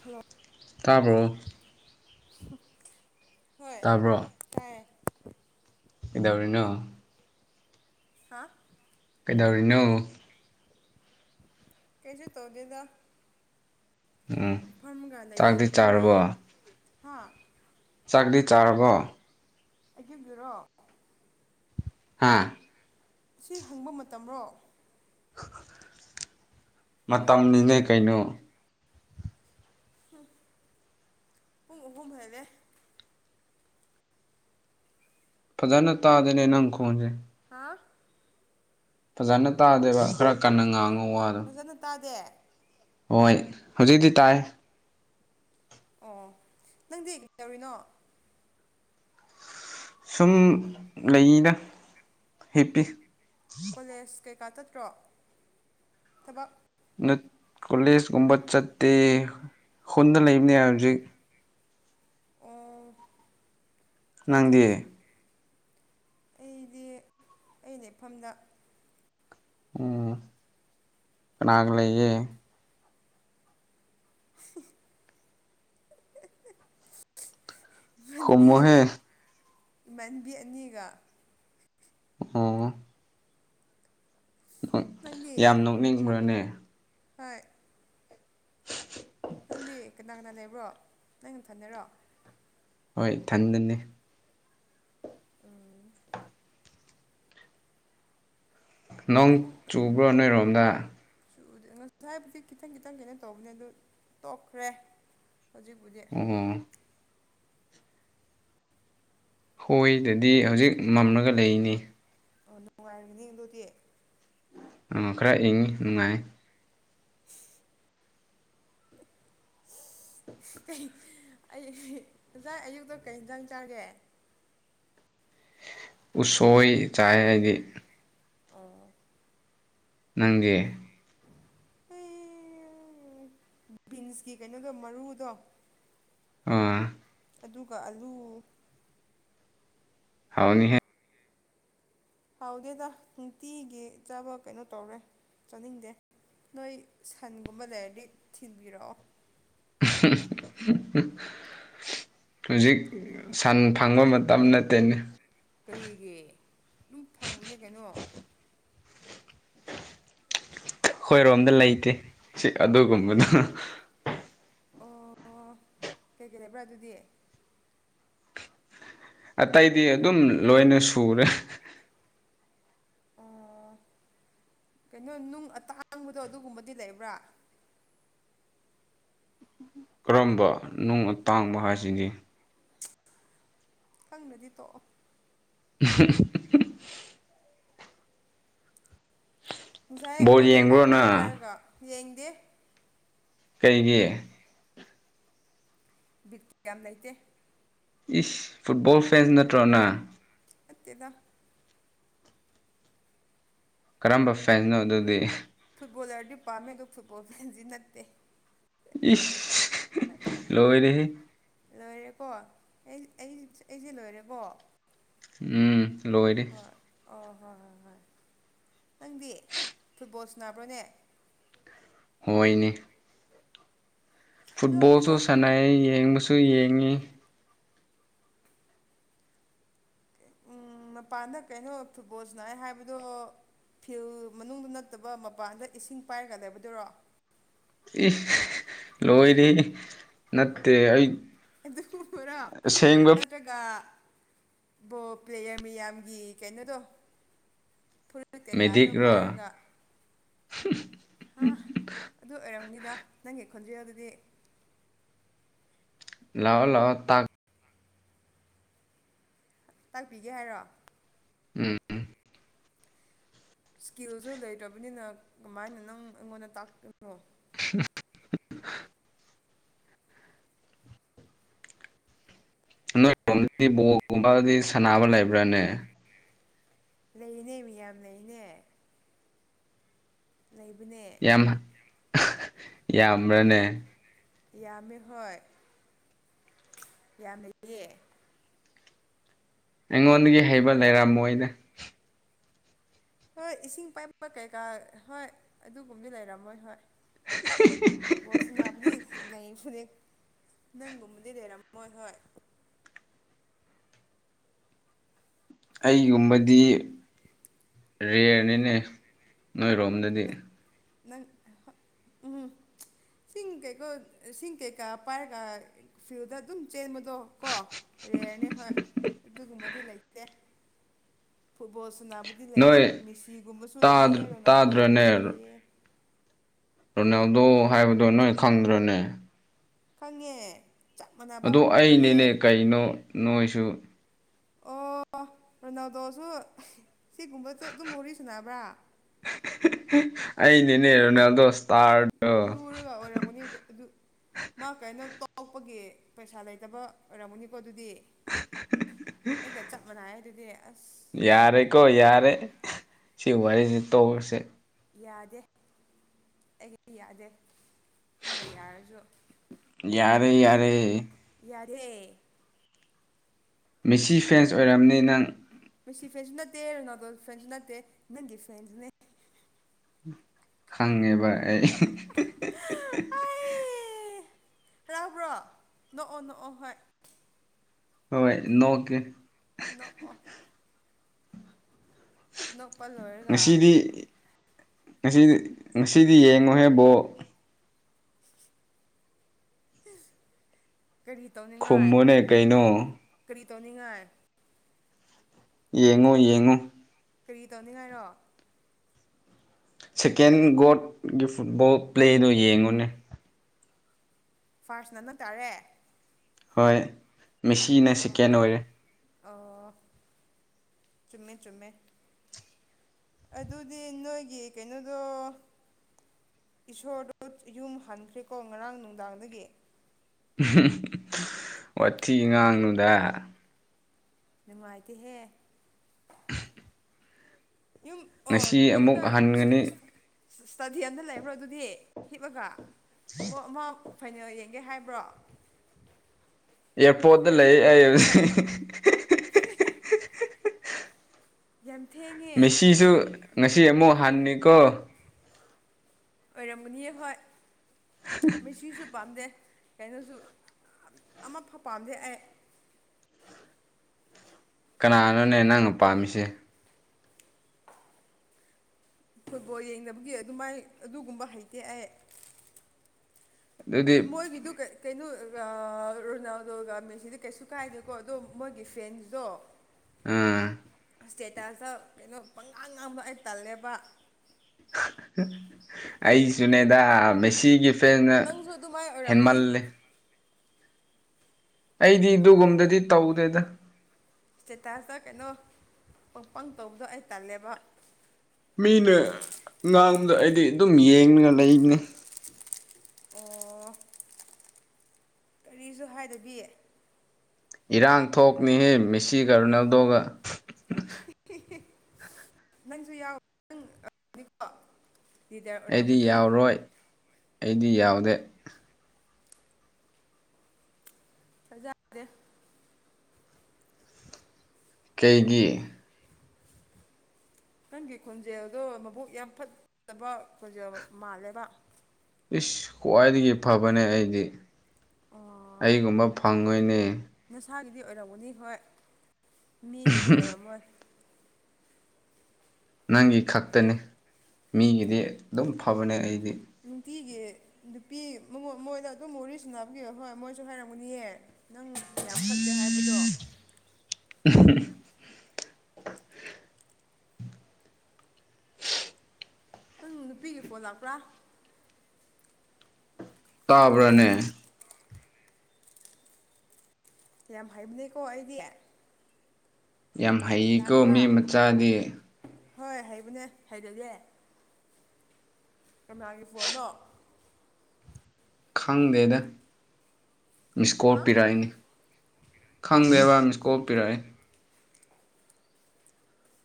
hello ꯇꯥꯕ꯭ꯔꯣ [unintelligible] ꯇꯥꯕ꯭ꯔꯣ ꯇꯥꯏꯌꯦ ꯀꯩꯗꯧꯔꯤꯅꯣ ꯍꯥꯥ ꯗꯧꯔꯤꯅꯣ ꯀꯩꯁꯨ ꯇꯧꯗꯦꯗ ꯎꯝ ꯆꯥꯛꯇꯤ ꯆꯥꯔꯕꯣ ꯍꯥꯥ ꯆꯥꯛꯗꯤ ꯆꯥꯔꯕꯣ ꯑꯩꯒꯤꯕꯤꯔꯣ ꯍꯥꯥ ꯁꯤ ꯍꯪꯕ ꯃꯇꯝꯔꯣ ꯃꯇꯝꯅꯤꯅꯦ ꯀꯩꯅꯣ ꯍꯝ ꯄꯨꯡ ꯑꯍꯨꯝ ꯍꯦꯜꯂꯦ ꯐꯖꯅ ꯇꯥꯗꯦꯅꯦ ꯅꯪ ꯈꯣꯟꯁꯦ [unintelligible] ꯐꯖꯅ ꯇꯥꯗꯦꯕ ꯈꯔ ꯀꯟꯅ ꯉꯥꯡꯉꯣ ꯐꯖꯅ ꯇꯥꯗꯦ ꯍꯣꯏ ꯍꯧꯖꯤꯛꯇꯤ ꯇꯥꯏ ꯑꯣ ꯅꯪꯗꯤ ꯀꯗꯧꯔꯤꯅꯣ ꯁꯨꯝ ꯂꯩꯗ ꯍꯤꯞꯄꯤ ꯀꯣꯂꯦꯖ ꯀꯩꯀꯥ ꯆꯠꯇ꯭ꯔꯣ ꯊꯕꯛ ꯅꯠ ꯀꯣꯂꯦꯖꯀꯨꯝꯕ ꯆꯠꯇꯦ ꯈꯨꯨꯟꯗ ꯂꯩꯕꯅꯦ ꯍꯧꯖꯤꯛ ꯑꯣ ꯆꯣ ꯆꯣ ꯅꯪꯗꯤ ꯁꯨꯠ ꯑꯩꯗꯤ ꯑꯩꯅ ꯏꯐꯝꯗ ꯎꯝ ꯀꯅꯥꯒ ꯂꯩꯌꯦ ꯈꯨꯝꯃꯣꯍꯦ ꯏꯃꯥꯟꯕꯤ ꯑꯅꯤꯒ ꯑꯣ ꯅꯪꯗꯤ ꯌꯥꯝ ꯅꯣꯛꯅꯤꯡꯕ꯭ꯔꯅꯦ ꯍꯣꯏ ꯅꯪꯗꯤ ꯀꯅꯥ ꯀꯅꯥ ꯂꯩꯕ꯭ꯔꯣ ꯅꯪ ꯅꯊꯟꯅꯔꯣ ꯍꯣꯏ ꯏꯊꯟꯗꯅꯦ ꯎꯝ ꯅꯣꯡ ꯆꯨꯕ꯭ꯔꯣ ꯅꯣꯏꯔꯣꯝꯗ ꯆꯨꯗꯦ ꯉꯁꯥꯏꯕꯨꯗꯤ ꯈꯤꯇꯪ ꯈꯤꯇꯪ ꯀꯩꯅꯣ ꯇꯧꯕꯅꯦ ꯑꯗꯨꯣ ꯇꯣꯛꯈ꯭ꯔꯦ ꯍꯧꯖꯤꯛꯕꯨꯗꯤ ꯑꯣ ꯍꯣꯏꯗꯗꯤ ꯍꯧꯖꯤꯛ ꯃꯝꯂꯒ ꯂꯩꯅꯤ ꯑꯣ ꯅꯨꯉꯥꯏꯔꯝꯒꯅꯦ ꯑꯗꯨꯗꯤ [unintelligible] ꯈꯔ ꯏꯪꯉꯤ ꯅꯨꯉꯥꯏ [unintelligible] ꯀꯩ ꯑꯩ ꯉꯁꯥꯏ ꯑꯌꯨꯛꯇꯣ ꯀꯩ ꯍꯤꯟꯖꯥꯡ ꯆꯥꯒꯦ ꯎꯁꯣꯏ ꯆꯥꯏ ꯍꯥꯏꯗꯤ ꯑꯣ ꯅꯪꯗꯤ ꯑꯩ ꯕꯤꯟꯁꯀꯤ ꯀꯩꯅꯣꯗꯣ ꯃꯔꯨꯗꯣ ꯑꯥ ꯑꯗꯨꯒ ꯑꯂꯨ ꯍꯥꯎꯅꯤꯍꯦ ꯍꯥꯎꯗꯦꯗ ꯅꯨꯡꯇꯤꯒꯤ ꯆꯥꯕ ꯀꯩꯅꯣ ꯇꯧꯔꯦ ꯆꯥꯅꯤꯡꯗꯦ ꯅꯣꯏ ꯁꯟꯒꯨꯝꯕ ꯂꯩꯔꯗꯤ ꯊꯤꯟꯕꯤꯔꯛꯑꯣ [unintelligible] ꯍꯨꯖꯤꯛ ꯁꯟ ꯐꯪꯕ ꯃꯇꯝ ꯅꯠꯇꯦꯅꯦ ꯀꯔꯤꯒꯤ ꯗꯨꯝ ꯐꯪꯕꯅꯦ ꯀꯩꯅꯣ ꯑꯈꯣꯏꯔꯣꯝꯗ ꯂꯩꯇꯦ ꯁꯤ ꯑꯗꯨꯒꯨꯝꯕꯗꯨ ꯑꯣ ꯑꯣ ꯀꯩꯀꯩ ꯂꯩꯕ꯭ꯔꯥ ꯑꯗꯨꯗꯤ ꯑꯇꯩꯗꯤ ꯑꯗꯨꯝ ꯂꯣꯏꯅ ꯁꯨꯔꯦ ꯑꯣ [inaudible] ꯀꯩꯅꯣ ꯅꯨꯡ ꯑꯇꯥꯡꯕꯗꯣ ꯑꯗꯨꯒꯨꯝꯕꯗꯤ ꯂꯩꯕ꯭ꯔꯥ ꯀꯔꯝꯕ ꯅꯨꯡ ꯑꯇꯥꯡꯕ ꯍꯥꯏꯁꯤꯗꯤ ꯈꯪꯗ꯭ꯔꯗꯤ ꯇꯣꯛꯑꯣ [unintelligible] ꯉꯁꯥꯏ ꯕꯣꯜ ꯑꯩꯉꯣꯟꯗ ꯌꯦꯡꯕ꯭ꯔꯣ ꯅꯣꯛꯀꯅꯨ ꯅꯪ ꯍꯥꯏꯔꯒ ꯌꯦꯡꯗꯦ ꯀꯩꯒꯤ ꯕꯤꯠ ꯀꯌꯥꯝ ꯂꯩꯇꯦ ꯏꯁ ꯐꯨꯠꯕꯣꯜ ꯐꯦꯟ ꯅꯠꯇ꯭ꯔꯣꯅꯥ ꯅꯠꯇꯦꯗ ꯀꯔꯝꯕ ꯐꯦꯟꯅꯣ ꯑꯗꯨꯗꯤ ꯐꯨꯠꯕꯣꯜꯂꯔꯗꯤ ꯄꯥꯝꯃꯦ ꯑꯗꯣ ꯐꯨꯠꯕꯣꯜ ꯐꯦꯟꯗꯤ ꯅꯠꯇꯦ ꯏꯁ ꯂꯣꯏꯔꯦꯍꯦ ꯂꯣꯏꯔꯦꯀꯣ ꯑꯩ ꯑꯩ ꯑꯩꯁꯦ ꯂꯣꯏꯔꯦꯀꯣ ꯎꯝ ꯂꯣꯏꯔꯦ ꯍꯣꯏ ꯑꯣ ꯍꯣꯏ ꯍꯣꯏ ꯍꯣꯏ ꯅꯪꯗꯤ ꯐꯨꯠꯕꯣꯜ ꯁ꯭ꯅꯥꯕ꯭ꯔꯣꯅꯦ ꯍꯣꯏꯅꯦ ꯐꯨꯠꯕꯣꯜꯁꯨ ꯊꯥꯖꯗꯦꯗ ꯁꯥꯟꯅꯩ ꯌꯦꯡꯕꯁꯨ ꯌꯦꯡꯉꯤ [inaudible] ꯎꯝ ꯃꯄꯥꯟꯗ ꯀꯩꯅꯣ ꯐꯨꯠꯕꯣꯜ ꯁ꯭ꯅꯥꯌꯦ ꯍꯥꯏꯕꯗꯣ ꯐꯤꯜ ꯃꯅꯨꯡꯗ ꯅꯠꯇꯕ ꯃꯄꯥꯟꯗ ꯏꯁꯤꯡ ꯄꯥꯏꯔꯒ ꯂꯩꯕꯗꯨꯔꯣ ꯏꯁ ꯂꯣꯏꯔꯦꯍꯦ ꯅꯠꯇꯦ ꯑꯩ ꯑꯗꯨ ꯐꯨꯔꯣ ꯑꯁꯦꯡꯕ ꯅꯠꯇ꯭ꯔꯒꯥ ꯕꯣꯜ ꯄ꯭ꯂꯦꯌꯔ ꯃꯌꯥꯝꯒꯤ ꯀꯩꯅꯣꯗꯣ ꯐꯨꯔ ꯔꯤꯠ ꯀꯩꯀꯥꯗꯣ ꯃꯦꯗꯤꯛꯔꯣ ꯄꯥꯏꯔꯒ ꯍꯥ ꯑꯗꯨ ꯑꯣꯏꯔꯝꯅꯤꯗ ꯅꯪꯒꯤ ꯈꯣꯟꯖꯦꯜꯗꯨꯗꯤ ꯂꯥꯛꯑꯣ ꯂꯥꯛꯑꯣ ꯇꯥꯛ ꯇꯥꯛꯄꯤꯒꯦ ꯍꯥꯏꯔꯣ ꯎꯝ ꯁ꯭ꯀꯤꯜꯖꯨ ꯂꯩꯇ꯭ꯔꯕꯅꯤꯅ ꯀꯃꯥꯏꯅ ꯅꯪ ꯑꯩꯉꯣꯟꯗ ꯇꯥꯛꯇꯨꯢꯅꯣ [inaudible] ꯅꯣꯏꯔꯣꯝꯗꯤ ꯕꯣꯜꯒꯨꯝꯕꯗꯤ ꯁꯥꯟꯅꯕ ꯂꯩꯕ꯭ꯔꯅꯦ ꯂꯩꯅꯦ ꯃꯤꯌꯥꯝ ꯂꯩꯅꯦ ꯂꯩꯕꯅꯦ [unintelligible] ꯌꯥꯝꯕ꯭ꯔꯅꯦ ꯌꯥꯝꯃꯦ ꯍꯣꯏ ꯌꯥꯝ ꯂꯩꯌꯦ ꯑꯩꯉꯣꯟꯗꯒꯤ ꯍꯩꯕ ꯂꯩꯔꯝꯃꯣꯏꯗ ꯍꯣꯏ ꯏꯁꯤꯡ ꯄꯥꯏꯕ ꯀꯩꯀꯥ ꯍꯣꯏ ꯑꯗꯨꯒꯨꯝꯗꯤ ꯂꯩꯔꯝꯃꯣꯏ ꯍꯣꯏ ꯕꯣꯜ ꯁꯥꯟꯅꯕꯗꯤ ꯂꯩꯕꯅꯦ ꯅꯪꯒꯨꯝꯕꯗꯤ ꯂꯩꯔꯝꯃꯣꯏ ꯍꯣꯏ ꯑꯩꯒꯨꯝꯕꯗꯤ ꯔꯦꯌꯔ ꯅꯤꯅꯦ ꯅꯣꯏꯔꯣꯝꯗꯗꯤ ꯅꯪ ꯍ [unintelligible] [inaudible] ꯏꯁꯤꯡ ꯀꯩꯀꯣ ꯏꯁꯤꯡ ꯀꯩꯀꯥ ꯄꯥꯏꯔꯒ ꯐꯤꯜꯗ ꯑꯗꯨꯝ ꯆꯦꯟꯕꯗꯣ ꯀꯣ ꯔꯦꯌꯔꯅꯦ ꯍꯣꯏ ꯑꯗꯨꯒꯨꯝꯕꯗꯤ ꯂꯩꯇꯦ ꯐꯨꯠꯕꯣꯜ ꯁꯥꯟꯅꯕꯗꯤ ꯂꯩꯌꯦ ꯅꯣꯏ ꯃꯤꯁꯤꯒꯨꯝꯕꯁꯨ ꯂꯩꯌꯦ ꯔꯣꯅꯥꯜꯗꯣ ꯇꯥꯗ꯭ꯔꯅꯦ ꯒꯨꯝꯕꯁꯨ ꯂꯩꯌꯦ ꯔꯣꯅꯥꯜꯗꯣ ꯍꯥꯏꯕꯗꯣ ꯅꯣꯏ ꯈꯪꯗ꯭ꯔꯅꯦ ꯈꯪꯉꯦ ꯆꯞ ꯃꯥꯟꯅꯕ ꯑꯗꯣ ꯂꯩꯌꯦ ꯑꯩꯅꯤꯅꯦ ꯀꯩꯅꯣ ꯅꯣꯏꯁꯨ ꯑꯣ [inaudible] ꯔꯣꯅꯥꯜꯗꯣꯁꯨ ꯁꯤꯒꯨꯝꯕꯁꯨ ꯑꯗꯨꯝ ꯋꯥꯔꯤ ꯁꯥꯅꯕ꯭ꯔ [unintelligible] ꯑꯩꯅꯤꯅꯦ ꯔꯣꯅꯥꯜꯗꯣ ꯏꯁꯇꯥꯔ [unintelligible] ꯂꯨꯔꯒ ꯑꯣꯏꯔꯝꯒꯅꯤ ꯑꯗꯨ ꯃꯥ ꯀꯩꯅꯣ ꯇꯣꯛꯄꯒꯤ ꯄꯩꯁꯥ ꯂꯩꯇꯕ ꯑꯣꯏꯔꯝꯒꯅꯤꯀꯣ ꯑꯗꯨꯗꯤ ꯑꯩꯒ ꯆꯞ ꯃꯥꯅꯩꯌꯦ ꯑꯗꯨꯗꯤ ꯑꯁ ꯌꯥꯔꯦꯀꯣ ꯌꯥꯔꯦ ꯁꯤ ꯋꯥꯔꯤꯁꯦ ꯇꯣꯛꯔꯁꯦ ꯌꯥꯗꯦ ꯑꯩꯒꯤꯗꯤ ꯌꯥꯗꯦ ꯅꯪꯅ ꯌꯥꯔꯖꯨ ꯌꯥꯔꯦ ꯌꯥꯔꯦ ꯌꯥꯗꯦ ꯃꯤꯁꯤ ꯐꯦꯟꯁ ꯑꯣꯏꯔꯝꯅꯤ ꯅꯪ ꯃꯦꯁꯤ ꯐꯦꯟꯁꯨ ꯅꯠꯇꯦ ꯔꯣꯅꯥꯜꯗꯣ ꯐꯦꯟꯁꯨ ꯅꯠꯇꯦ ꯅꯪꯒꯤ ꯐꯦꯟꯁꯅꯦ ꯈꯪꯉꯦꯕ ꯑꯩ [unintelligible] ꯑꯩ ꯍꯔꯥꯎꯕ꯭ꯔꯣ ꯅꯣꯛꯑꯣ ꯅꯣꯛꯑꯣ ꯍꯣꯏ ꯍꯣꯏ ꯅꯣꯛꯀꯦ ꯅꯣꯛꯑꯣ ꯅꯣꯛꯄ ꯂꯣꯏꯔꯒ ꯉꯁꯤ ꯉꯁꯤꯗꯤ ꯌꯦꯡꯉꫭꯍꯦ ꯕꯣꯜ ꯀꯔꯤ ꯇꯧꯅꯤꯡꯉꯥꯏ ꯈꯨꯝꯃꯨꯅꯦ ꯀꯩꯅꯣ ꯀꯔꯤ ꯇꯧꯅꯤꯡꯉꯥꯏ ꯌꯦꯡꯉꫭ ꯌꯦꯡꯉꫭ ꯀꯔꯤ ꯇꯧꯅꯤꯡꯉꯥꯏꯔꯣ ꯁꯦꯀꯦꯟ ꯒꯣꯠꯒꯤ ꯐꯨꯠꯕꯣꯜ ꯄ꯭ꯂꯦꯗꯨ ꯌꯦꯡꯉꯨꯅꯦ ꯐꯥꯔꯁꯅ ꯅꯪ ꯇꯥꯔꯦ ꯍꯣꯏ ꯑꯣ ꯃꯦꯁꯤꯅ ꯁꯦꯀꯦꯟ ꯑꯣꯏꯔꯦ ꯑꯣ ꯆꯨꯝꯃꯦ ꯆꯨꯝꯃꯦ ꯑꯗꯨꯗꯤ ꯅꯣꯏꯒꯤ ꯀꯩꯅꯣꯗꯣ ꯏꯁꯣꯔꯗꯨ ꯌꯨꯝ ꯍꯟꯈ꯭ꯔꯦꯀꯣ ꯉꯔꯥꯡ ꯅꯨꯡꯗꯥꯡꯗꯒꯤ [unintelligible] ꯋꯥꯊꯤ ꯉꯥꯡꯅꯨꯗꯥ ꯅꯨꯡꯉꯥꯢꯇꯦꯍꯦ ꯉꯁꯤ ꯑꯃꯨꯛ ꯍꯟꯒꯅꯤ ꯁ ꯁ꯭ꯇꯗꯤꯌꯟꯗ ꯂꯩꯕ꯭ꯔꯣ ꯑꯗꯨꯗꯤ ꯍꯤꯞꯑꯒ ꯃꯣ ꯃꯥ ꯐꯥꯢꯅꯦꯜ ꯌꯦꯡꯒꯦ ꯍꯥꯏꯕ꯭ꯔꯣ ꯑꯦꯌꯥꯔꯄꯣꯔꯠꯇ ꯂꯩ ꯑꯩ ꯍꯨꯖꯤꯛ ꯌꯥꯝ ꯊꯦꯡꯉꯦ ꯃꯦꯁꯤꯁꯨ ꯉꯁꯤ ꯑꯃꯨꯛ ꯍꯟꯅꯤꯀꯣ ꯑꯣꯏꯔꯝꯒꯅꯤ ꯍꯣꯏ ꯃꯦꯁꯤꯁꯨ ꯄꯥꯝꯗꯦ ꯀꯩꯅꯣꯁꯨ ꯑꯃꯐꯥꯎ ꯄꯥꯝꯗꯦ ꯑꯩ ꯀꯅꯥꯅꯣꯅꯦ ꯅꯪꯅ ꯄꯥꯝꯃꯤꯁꯦ [inaudible] ꯐꯨꯠꯕꯣꯜ ꯌꯦꯡꯗꯕꯒꯤ ꯑꯗꯨꯃꯥꯏ ꯑꯗꯨꯒꯨꯝꯕ ꯍꯩꯇꯦ ꯑꯩ ꯑꯗꯨꯗꯤ ꯑ ꯃꯣꯏꯒꯤꯗꯨ ꯀꯩ ꯀꯩꯅꯣ ꯑ ꯑꯥ ꯔꯣꯅꯥꯜꯗꯣꯒ ꯃꯦꯁꯤꯗꯤ ꯀꯩꯁꯨ ꯀꯥꯏꯗꯦꯀꯣ ꯑꯗꯣ ꯃꯣꯏꯒꯤ ꯐꯦꯟꯁꯗꯣ ꯎꯝ ꯁ꯭ꯇꯦꯇꯁꯇ ꯀꯩꯅꯣ ꯄꯪꯉꯥꯡ ꯉꯥꯡꯕ ꯑꯩ ꯇꯜꯂꯦꯕꯥ ꯑꯩꯁꯨꯅꯦꯗꯥ ꯃꯦꯁꯤꯒꯤ ꯄꯦꯟꯅ ꯅꯪꯁꯨ ꯑꯗꯨꯃꯥꯏꯅ ꯑꯣꯏꯔꯝꯒꯅꯤ ꯍꯦꯟꯃꯜꯂꯦ ꯑꯩꯗꯤ ꯑꯗꯨꯒꯨꯝꯗꯗꯤ ꯇꯧꯗꯦꯗ ꯁ꯭ꯇꯦꯇꯥꯁꯇ ꯀꯩꯅꯣ ꯄꯪꯄꯪ ꯇꯧꯕꯗꯣ ꯑꯩ ꯇꯜꯂꯦꯕ ꯃꯤꯅ ꯉꯥꯡꯕꯗ ꯑꯩꯗꯤ ꯑꯗꯨꯝ ꯌꯦꯡꯂꯒ ꯂꯩꯕꯅꯤ ꯑꯣ ꯀꯔꯤꯁꯨ ꯍꯥꯏꯗꯕꯤ ꯏꯔꯥꯡ ꯊꯣꯛꯅꯤꯍꯦ ꯃꯦꯁꯤꯒ ꯔꯣꯅꯥꯜꯗꯣꯒ ꯅꯪꯁꯨ ꯌꯥꯎ ꯅꯪ [unintelligible] ꯑꯩꯗꯤ ꯌꯥꯎꯔꯣꯏ ꯑꯩꯗꯤ ꯌꯥꯎꯗꯦ ꯊꯥꯖꯗꯦ ꯀꯩꯒꯤ ꯅꯪꯒꯤ ꯈꯣꯟꯖꯦꯜꯗꯣ ꯃꯕꯨꯛ ꯌꯥꯝ ꯐꯠꯇꯕ ꯈꯣꯟꯖꯦꯜ ꯃꯥꯜꯂꯦꯕ ꯏꯁ ꯈ꯭ꯋꯥꯏꯗꯒꯤ ꯐꯕꯅꯦ ꯑꯩꯗꯤ ꯑꯣ ꯑꯩꯒꯨꯝꯕ ꯐꯪꯉꯣꯏꯅꯦ ꯁꯥꯒꯤꯗꯤ ꯑꯣꯏꯔꯝꯒꯅꯤ ꯍꯣꯏ ꯃꯤꯒꯤꯗꯤ ꯑꯣꯏꯔꯝꯃꯣꯏ ꯅꯪꯒꯤ ꯈꯛꯇꯅꯤ ꯃꯤꯒꯤꯗꯤ ꯑꯗꯨꯝ ꯐꯕꯅꯦ ꯑꯩꯗꯤ ꯅꯨꯡꯇꯤꯒꯤ ꯅꯨꯄꯤ ꯃꯣꯃꯣ ꯃꯣꯏꯗ ꯑꯗꯨꯝ ꯋꯥꯔꯤ ꯁ꯭ꯅꯥꯕꯒꯤ ꯍꯣꯏ ꯃꯣꯏꯁꯨ ꯍꯥꯏꯔꯝꯒꯅꯤꯌꯦ ꯅꯪ ꯌꯥꯝ ꯐꯠꯇꯦ ꯍꯥꯏꯕꯗꯣ [unintelligible] ꯅꯪꯅ ꯅꯨꯄꯤꯒꯤ ꯐꯣꯟ ꯂꯥꯛꯄ꯭ꯔꯥ ꯇꯥꯕ꯭ꯔꯥꯅꯦ ꯌꯥꯝ ꯍꯩꯕꯅꯦꯀꯣ ꯑꯩꯗꯤ ꯌꯥꯝ ꯍꯩꯌꯦꯀꯣ ꯃꯤ ꯂꯥꯛꯄ꯭ꯔꯥ ꯃꯆꯥꯗꯤ ꯍꯣꯏ ꯍꯩꯕꯅꯦ ꯍꯩꯇꯗꯦ ꯀꯅꯥꯒꯤ ꯐꯣꯟꯅꯣ ꯈꯪꯗꯦꯗ ꯃꯤꯁꯀꯣꯜ ꯍꯥ ꯄꯤꯔꯛꯏꯅꯤ ꯈꯪꯗꯦꯕ ꯃꯤꯁꯀꯣꯜ ꯄꯤꯔꯛꯑꯦ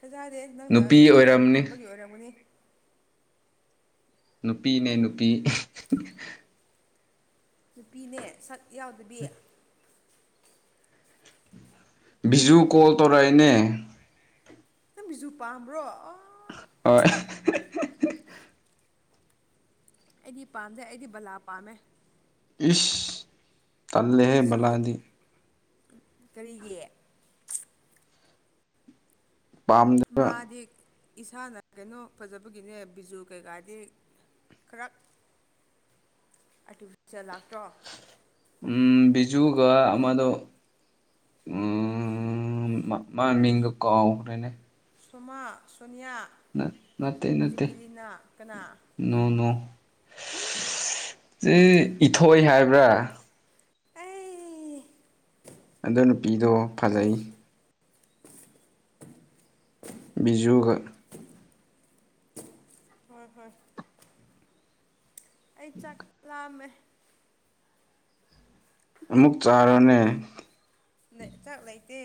ꯊꯥꯖꯗꯦ ꯅꯪꯅ ꯅꯨꯄꯤ ꯁꯥꯏꯂꯦꯟ ꯑꯣꯏꯔꯝꯅꯤ ꯊꯝꯕꯒꯤ ꯑꯣꯏꯔꯝꯒꯅꯤ ꯅꯨꯄꯤꯅꯦ ꯅꯨꯄꯤ [unintelligible] ꯅꯨꯄꯤꯅꯦ ꯁꯛ ꯌꯥꯎꯗꯕꯤ ꯕꯤꯖꯨ ꯀꯣꯜ ꯇꯧꯔꯑꯦꯅꯦ ꯅꯪ ꯕꯤꯖꯨ ꯄꯥꯝꯕ꯭ꯔꯣ ꯑꫭ ꯍꯣꯏ [unintelligible] ꯑꯩꯗꯤ ꯄꯥꯝꯗꯦ ꯑꯩꯗꯤ ꯕꯂꯥ ꯄꯥꯝꯃꯦ ꯏꯁ ꯇꯜꯂꯦꯍꯦ ꯕꯤꯖꯨ ꯕꯂꯥꯗꯤ ꯀꯔꯤꯒꯤ ꯄꯥꯝꯗꯦꯕ ꯃꯥꯗꯤ ꯏꯁꯥꯅ ꯀꯩꯅꯣ ꯐꯖꯕꯒꯤꯅꯦ ꯕꯤꯖꯨ ꯀꯩꯀꯥꯗꯤ [unintelligible] ꯑꯥꯔꯇꯤꯐꯤꯁꯦꯜ ꯂꯥꯛꯇ꯭ꯔꯣ ꯎꯝ ꯕꯤꯖꯨꯒ ꯑꯃꯗꫭ [unintelligible] ꯎꯝ ꯃꯃꯤꯡꯗꫭ ꯀꯥꯥꯎꯈ꯭ꯔꯦꯅꯦ ꯁꫭꯃꯥ ꯅꯠꯇꯦ ꯅꯠꯇꯦ ꯀꯅꯥ ꯅꯣ ꯅꫭ [unintelligible] ꯏꯊꯣꯏ ꯍꯥꯏꯕ꯭ꯔ ꯑꯩ ꯑꯗꯣ ꯅꯨꯄꯤꯗꯣ ꯐꯖꯩ ꯕꯤꯖꯨꯒ ꯍꯣꯏ ꯍꯣꯏ ꯑꯩ ꯆꯥꯛ ꯂꯥꯝꯃꯦ ꯑꯃꯨꯛ ꯆꯥꯔꫭꯅꯦ ꯂꯩ ꯆꯥꯛ ꯂꯩꯇꯦ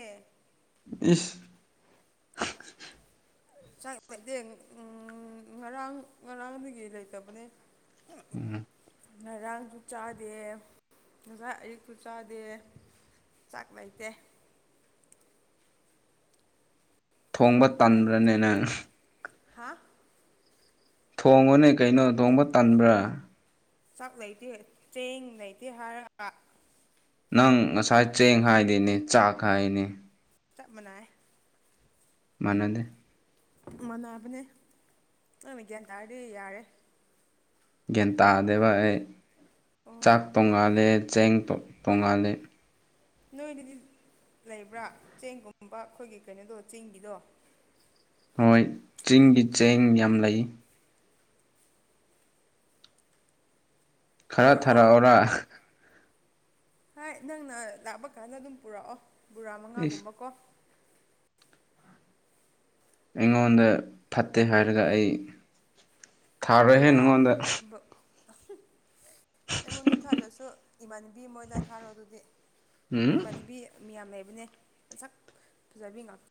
ꯏꯁ [unintelligible] ꯆꯥꯛ ꯂꯩꯇꯦ ꯉꯔꯥꯡ ꯉꯔꯥꯡꯗꯒꯤ ꯂꯩꯇꯕꯅꯦ ꯎꯝ ꯉꯔꯥꯡꯖꯨ ꯆꯥꯗꯦ ꯉꯁꯥꯏ ꯑꯌꯨꯛꯁꯨ ꯆꯥꯗꯦ ꯆꯥꯛ ꯂꯩꯇꯦ ꯊꯣꯡꯕ ꯇꯟꯕ꯭ꯔꯅꯦ ꯅꯪ ꯍꯥ ꯊꯣꯡꯉꫭꯅꯦ ꯀꯩꯅꯣ ꯊꯣꯡꯕ ꯇꯟꯕ꯭ꯔ ꯆꯥꯛ ꯂꯩꯇꯦ ꯆꯦꯡ ꯂꯩꯇꯦ ꯍꯥꯏꯔꯒ ꯅꯪ ꯉꯁꯥꯏ ꯆꯦꯡ ꯍꯥꯏꯗꯦꯅꯦ ꯆꯥꯛ ꯍꯥꯏꯅꯦ ꯆꯞ ꯃꯥꯟꯅꯩ ꯃꯥꯟꯅꯗꯦ ꯃꯥꯟꯅꯕꯅꯦ ꯅꯪꯅ ꯒ꯭ꯌꯥꯟ ꯇꯥꯔꯗꯤ ꯌꯥꯔꯦ ꯒ꯭ꯌꯥꯟ ꯇꯥꯗꯦꯕ ꯑꯩ ꯑꯣ ꯆꯥꯛ ꯇꯣꯡꯉꯥꯜꯂꯦ ꯆꯦꯡ ꯇꯣꯡꯉꯥꯜꯂꯦ ꯅꯣꯏꯗꯗꯤ ꯂꯩꯕ꯭ꯔ ꯆꯦꯡꯒꯨꯝꯕ ꯑꯈꯣꯏꯒꯤ ꯀꯩꯅꯣꯗꯣ ꯆꯤꯡꯒꯤꯗꯣ ꯍꯣꯏ ꯆꯤꯡꯒꯤ ꯆꯦꯡ ꯌꯥꯝ ꯂꯩ ꯈꯔ ꯊꯥꯔꯛꯑꯣꯔ ꯍꯥꯏꯠ ꯅꯪꯅ ꯂꯥꯛꯄ ꯀꯥꯟꯗ ꯑꯗꯨꯝ ꯄꯨꯔꯛꯑꯣ ꯕꯣꯔꯥ ꯏꯁ ꯃꯉꯥꯒꯨꯝꯕ ꯀꯣ ꯑꯩꯉꯣꯟꯗ ꯐꯠꯇꯦ ꯍꯥꯏꯔꯒ ꯑꯩ ꯊꯥꯔꯣꯏꯍꯦ ꯕꯣꯔꯥ ꯅꯪꯉꯣꯟꯗ ꯕ- ꯑꯩꯉꯣꯟꯗ ꯊꯥꯗ꯭ꯔꯁꯨ ꯏꯃꯥꯟꯅꯕꯤ ꯃꯣꯏꯗ ꯊꯥꯔꯣ ꯑꯗꯨꯗꯤ ꯎꯝ ꯏꯃꯥꯟꯅꯕꯤ ꯃꯤꯌꯥꯝ ꯂꯩꯕꯅꯦ ꯃꯁꯛ ꯐꯖꯕꯤ ꯉꯥꯛ